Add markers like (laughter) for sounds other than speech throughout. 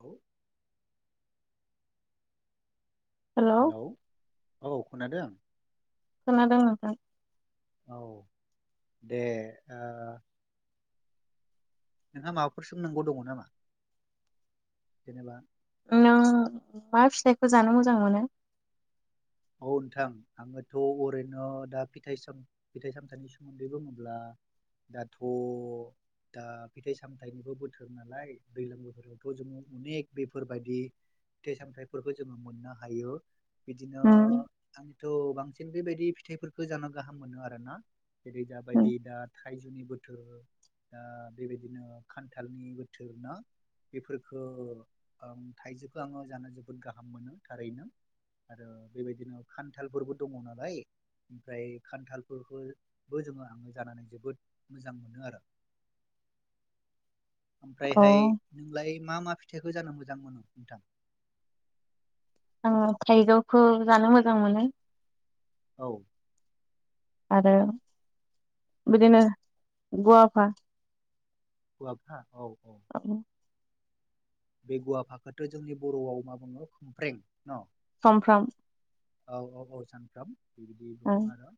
औ हेलौ औ खोनादों खोनादों नोंथां औ दे आ नोंहा माबाफोर सोंनांगौ दङ नामा जेनेबा नों मा फिथाइखौ जानो मोजां मोनो। औ नोंथां आङोथ' ओरैनो दा फिथाइ स फिथाइ सामथाइनि सोमोन्दै बुङोब्ला दाथ' दा फिथाइ सामथायाइनिबो बोथोर नालाय दै्लां बोथोरावथ' जोङो अनेक बेफोरबायदि फिथाइ सामथायाइफोरखौ जोङो मोननो हायो। ह। थ' बांसिन बेबायदि फिथाइफोरखौ जानो गाहाम मोनो आरोना जेरै जाबायदि अ दा थाइजौनि बोथोर दा बेबायदिनो खान्थालनि बोथोर ना बेफोरफोरखौ आं थाइजौखौ आङो जानो जोबोद गाहाम मोनो थारैनो। आरो बेबायदिनो खान्थालफोरबो दङ नालाय ओमफ्राय खान्थालफोरखौबो जोङो आङो जानानै जोबोद मोजां मोनो आरो। ओमफ्रायहाय नोंलाय मा मा फि। फिथाइखौ जानो मोजां मोनो नोंथां। आङो थाइजौखौ जानो मोजां मोनो। औ। आरो बिदिनो गवाफा। गुवाफा औ। औ। बे गुवा फाखोथो जोंनि बर'आव मा बुङो खमफ्रें न। समफ्राम। औ -औ -औ -सानफ्राम। बिद ओ गुमारा।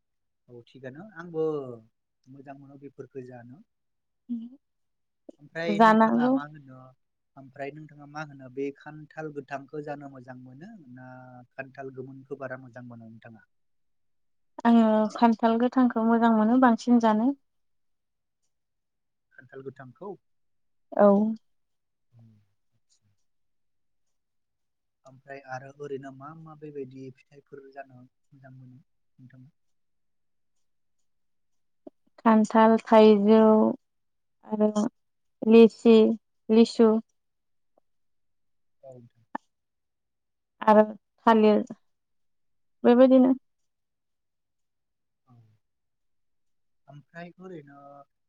औ थिगानो आंबो मोजां मोनो बेफोरखौ जानो। ओमफ्राय नोंथाङा जानांगौ मा होनदों। ओमफ्राय नोंथाङा मा होनो बे खान्थाल गोथांखौ जानो मोजां मोनो ना खान्थाल गोमोनखौ बारा मोजां मोनो नोंथाङा। आङो खान्थाल गोथांखौ मोजां मोनो बांसिन जानो। खान्थाल गोथांखौ। औ। (unintelligible) ओमफ्राय आरो ओरैनो मा मा बेबायदि फिथाइफोर जानो मोजां मोनो नोंथां। खान्थाल थाइजौ आरो लिसि लिसु। औ द। आरो थालिर बेबायदिनो। औ ओमफ्राय ओरैनो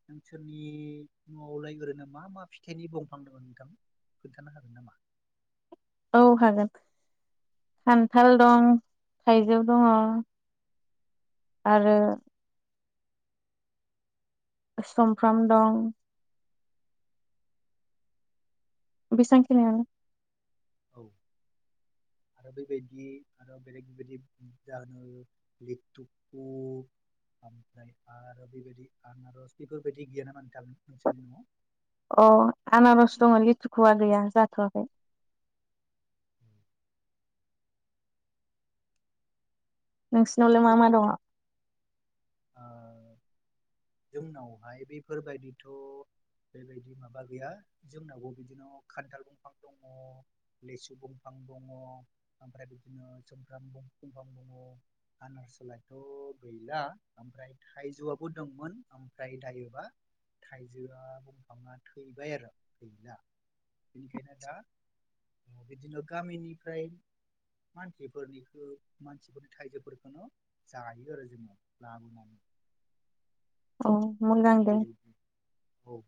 नोंसोरनि न'आवलाय ओरैनो मा मा फिथाइनि दंफां दोङो नोंथां खोन्थानो हागोन नामा। औ हागोन खान्थाल दं थाइजौ दङ' आरो। सामफ्राम दं। बिसांखिनियानो। औ आरो बेबायदि आरो बेलेग बेबायदि जाहोनो लिथुकु ओमफ्राय आरो बेबायदि आनारस बेफोरबायदि गैयाना मानो थागोन नोंसोरनि न'आव। अ आनारस दङ लिथुखुवा गैया जाथ'वाखै। नोंसिनावलाय मा मा बे दङ। बे ओ जोंनावहाय बेफोरबायदिथ' बेबायदि माबा गैया जोंनावबो बिदिनो खान्थाल दंफां दङ लेसु दंफां दङ ओमफ्राय बिदिनो सुमफ्राम दंफां दङ। आनारसलाायथ' गैला ओमफ्राय थाइजौआबो दंमोन ओमफ्राय दायोबा थाइजौआ बुंफाङा थैबाय आरो गैला बेनिखायनो दा बिदिनो गामिनिफ्राय मानसिफोरनि मानसिफोरनि थाइजौ फोरफोरखौनो जायो आरो जोङो लाबोनानै। अ। बे औ।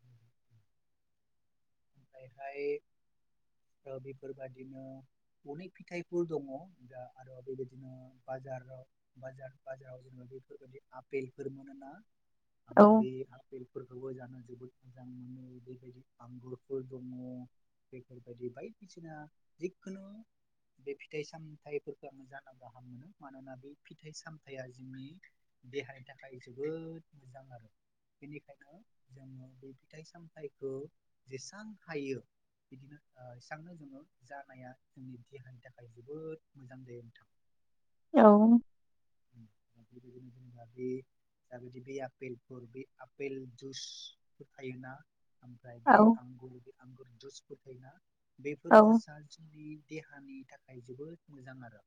ओमफ्रायहाय बेफोरबायदिनो अनेक फिथाइफोर दङ दा आरो बेबायदिनो बाजाराव बाजाराव जेनेबा बेफोरबायदि आफपेलफोर मोनोना औ आङो बे आफेलफोरखौबो जानो जोबोद मोजां मोनो बेबायदि आंगुर। (unintelligible) दङ बेफोरबायदि बायदिसिना जिखुनु बे फिथाइ सामथाइफोरखौ आङो जानो गाहाम मोनो मानोना बे फिथाइ सामथायाइया जोंनि देहानि थाखाय जोबोद मोजां आरो बेनिखायनो जोङो बे फिथाइ सामथाइखौ जेसेबां हायो बिदिनो एसबांनो जोङो जानाया जोंनि देहानि थाखाय जोबोद मोजां जायो नोंथां। औ। बेबायदिनो जों बे जाबायदि बेेलफोर बे आपेल जुसफोर थायोना ओमफ्राय औ बे आंगुर बे आंगुरनि जुसथायोना बेफोर औ जुसा जोंनि देहानि थाखाय जोबोद मोजां आरो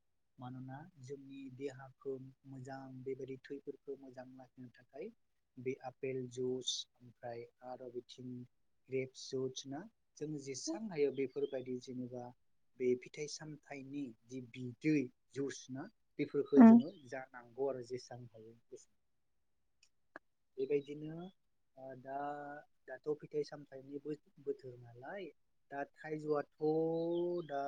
मानोना जोंनि देहा मोजां बेबायदि थैफोरखौ मोजां लाखिनो थाखाय बे आपेल जुइस ओमफ्राय आरो बिथिं ग्रेपस जुस ना जों जेसबां हायो बे बेफोरबायदि जेनेबा बे फिथाइ -सामथाइनि जि बिदै जुसना बेफोरफोरखौ उम जोङो जानांगौ आरो जेसां हायो बेबायदिनो दा दाथ' फिथाइ सामथायाइनि बोथोर नालाय दा थाइजौआथ' दा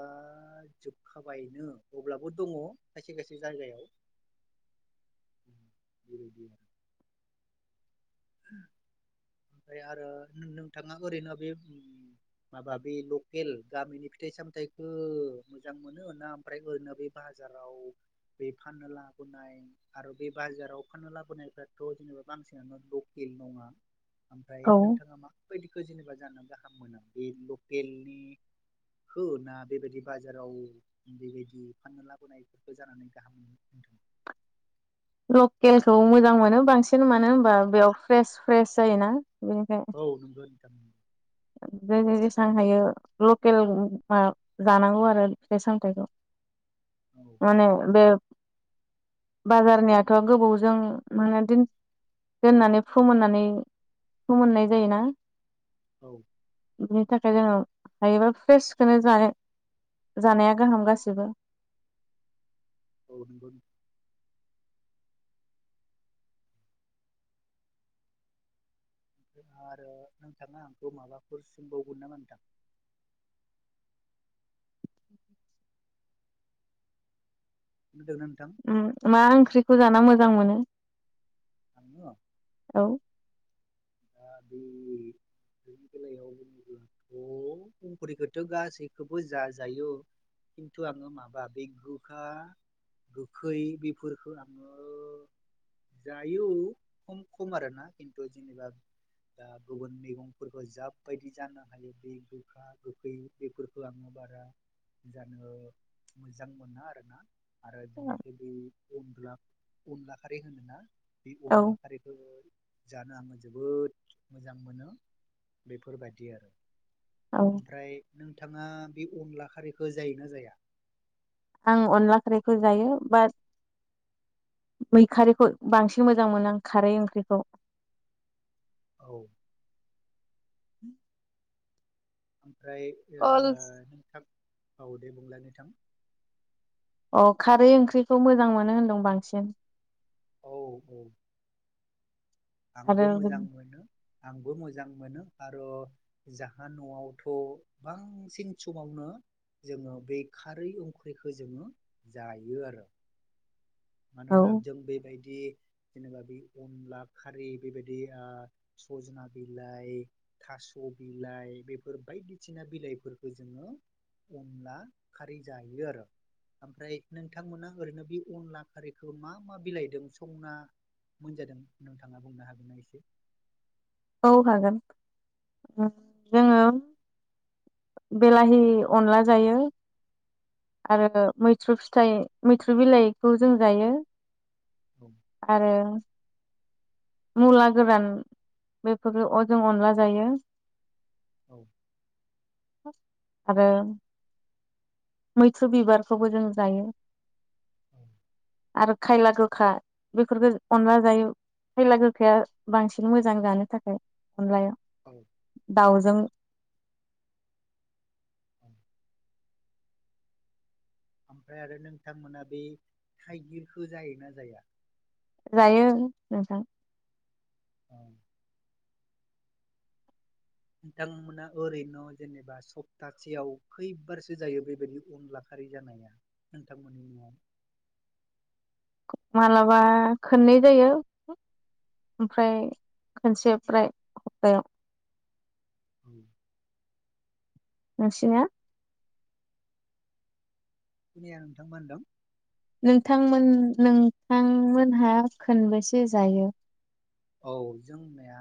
जोबखाबायनो अब्लाबो दङ खायसे खायसे जायगायाव। (unintelligible) ओमफ्राय आरो नोंथाङा ओरैनो बे माबा बे लकेल गामिनि फिथाइ सामथायाइखौ मोजां मोनो ना ओमफ्राय ओरैनो बे बाजाराव बे फाननो लाबोनाय आरो बे बाजाराव फाननो लाबोनायफ्राथ' जेनेबा बांसिनानो (unintelligible) ओमफ्राय औ नोंथाङा माबायदिखौ जेनेबा जाना गाहाम मोना बे लकेलनि खौ ना बेबायदि बाजाराव बेबायदि फाननो लाबोनायफोरखौ जानानै गाहाम होनदों? लकेलखौ मोजां मोनो बांसिन मानो होनबा बेयाव फ्रेस फ्रेस जायोना। औ नंगौ। (unintelligible) जे जे जेसेबां हायो लकेल मा जानांगौ आरो फिथाइ सामथाइखौ। माने बे बाजारनियाथ' गोबावजों माने दोननानै फोमोननानै फोमोननाय जायोना। औ। बिनि थाखाय जोंङो हायोबा फ्रेसखौनो जा- जानाया गाहाम गाससिबो। (unintelligible) ओमफ्राय आरो नोंथाङा आंखौ माबाफोर सोंबावगोन नामा नोंथां? (unintelligible) (unintelligible) ओंख्रिखौ जाना मोजां मोनो? आं औ। दा बेनि बेलायाव (unintelligible) ओंख्रिखौथ' गासैखौबो जाजायो खिन्थु आङो माबा बे गोखा गोखै बेफोरफोरखौ आङो जायो खम खम आरोना, खिन्थु जेनेबा दा गुबुन मैगंफोरखौ जा बायदि जानो हायो, बे गोखा गोखै बेफोरखौ आङो बारा जानो मोजां मोना आरोना। आरो (unintelligible) अनला अनला खारि होनो ना? बे औ अनला खारिखौ जा (unintelligible) जोबोद मोजां मोनो बेफोरबायदि आरो। औ ओमफ्राय नों थाङा बे अनला खारिखौ जायोना जाया? आं अनला खारैखौ जायो बाट बै खारैखौ बांसिन मोजां मोनो आं खारै ओंख्रिखौ। औ। (inaudible) ओमफ्राय ओ अ नोंथां औ दे बुंलाय नोंथां। ओ खारै ओंख्रिखौ मोजां मोनो होनदों बांसिन। औ औ। आंबो आरो मोजां मोनो। आंबो मोजां मोनो आरो जाहा न'आवथ' बांसिन समावनो जोङो बे खारै ओंख्रिखौ जोङो जायो आरो। औ मानोना जों बेबायदि जेनेबा बि अनला खारै बेबायदि ओ सजना बिलाइ, थास' बिलाइ बेफोर बायदिसिना बिलाइफोरखौ जोङो अनला खारै जायो आरो। ओमफ्राय नोंथांमोना ओरैनो बे अनला खारैखौ मा मा बिलाइदों संना मोनजादों? नोंथाङा बुंनो हागोनना एसे? औ हागोन। जोङो बेलाहि अनला जायो आरो मैथ्रु फिथाइ, मैथ्रु बिलाइखौ जों जायो आरो मुला गोरान बेफोर अ जों अनला जायो औ। आरो मैथ्रु बिबारखौबो जों जायो औ आरो खायला गोखा बेफोरखौ अनला जायो, खायला गोखाया बांसिन मोजां जानो थाखाय। अनलाया औ दाउजों औ ओमफ्राय आरो नोंथांमोना बे थाइगिरखौ जायोना जाया? जायो नोंथां। औ नोंथांमोना ओरैनो जेनेबा सप्तासेयाव खैबारसो जायो बेबायदि अनला खारै जानाया नोंथांमोननि न'आव? मालाबा खननै जायो, ओमफ्राय खनसे ओमफ्राय हप्तायाव। (inaudible) नोंसिनिया? खोनाया नोंथां मा होनदों? नोंथांमोन नोंथांमोनहा खनबेसे जायो? औ जोंनिया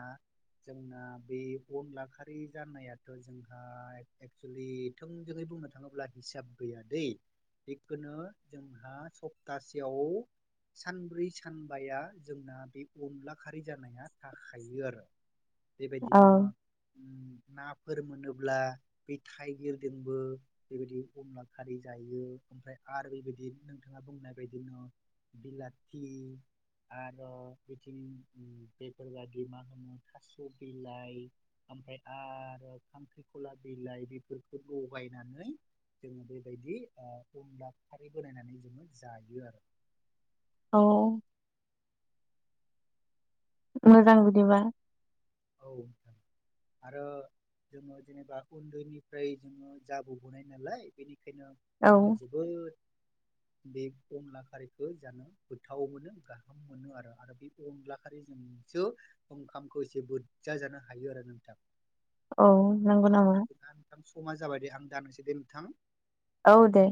जोंना बे अनला खारै जानायाथ' जोंहा एक्सुयेलि थोंजोङै बुंनो थाङोब्ला हिसाब गैया दे जेखुनु जोंहा सप्तासेयाव सानब्रै सानबाया जोंना बे अनला खारै जानाया थाखायो आरो। औ बेबायदिनो उम नाफोर मोनोब्ला बै थाइगिरजोंबो बेबायदि अनला खारै जायो। ओमफ्राय आरो बेबायदि नोंथाङा बुंनाय बदिनो बिलाथि आरो बिथिं उम बेफोरबायदि मा होनो थास' बिलाइ ओमफ्राय आरो खांख्रिख'ला बिलाइ बेफोरखौ लगायनानै जोङो बेबायदिओ अनला खारै बानायनानै जोङो जायो आरो। औ मोजां बिदिबा। औ आरो जोङो जेनोबा उन्दैनिफ्राय जोङो जाबोबोनाय नालाय बेनि खायनो औ आङो जोबोद बे अनला खारैखौ जानो गोथाव मोनो गाहाम मोनो आरो आरो बे अनला खारैजोंसो ओंखामखौ जोबोद बोदजा जानो हायो आरो नोंथां। औ। नंगौ नामा जोंना नोंथां समा जाबाय दे आं दाननोसैदे नोंथां? औ दे।